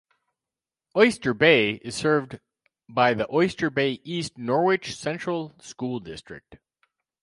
Oyster Bay is served by the Oyster Bay-East Norwich Central School District.